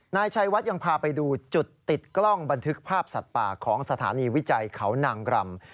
นายชัยวัดยังพาไปดูจุดติดกล้องบันทึกภาพสัตว์ป่าของสถานีวิจัยเขานางรำ